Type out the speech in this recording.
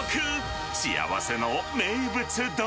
幸せの名物丼。